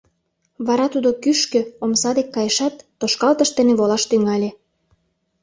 Вара тудо кӱшкӧ, омса дек кайышат, тошкалтыш дене волаш тӱҥале.